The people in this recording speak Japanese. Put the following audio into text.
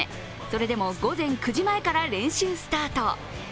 それでも午前９時前から練習スタート。